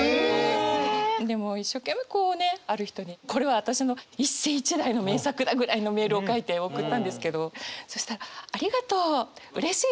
でも一生懸命こうねある人にこれは私の一世一代の名作だ！ぐらいのメールを書いて送ったんですけどそしたら「ありがとう。うれしい。